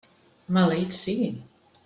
Maleïts siguin!